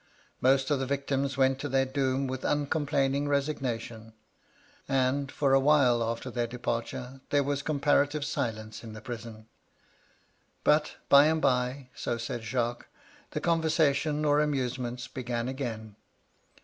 Most of the victims went to their doom 188 MY LADY LUDLOW. with uncomplaining resignation, and for awhile after their departure there was comparative silence in the prisoa But, by and by, — so said Jacques, — the con versation or amusements began again.